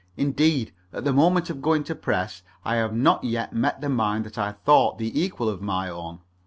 Indeed, at the moment of going to press I have not yet met the mind that I thought the equal of my own.